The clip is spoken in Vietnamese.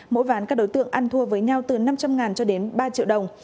mỗi ván các đối tượng ăn thua với nhau từ năm trăm linh cho đến ba triệu đồng